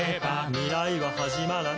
「未来ははじまらない」